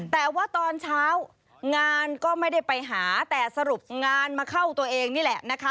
แต่ว่าตอนเช้างานก็ไม่ได้ไปหาแต่สรุปงานมาเข้าตัวเองนี่แหละนะคะ